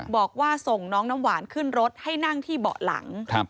บอกว่าส่งน้องน้ำหวานขึ้นรถให้นั่งที่เบาะหลัง